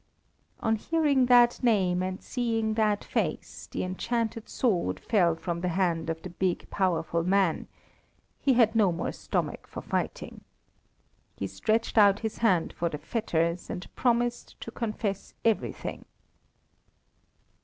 On hearing that name and seeing that face, the enchanted sword fell from the hand of the big powerful man; he had no more stomach for fighting. He stretched out his hand for the fetters, and promised to confess everything.